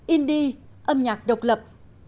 indie âm nhạc độc lạc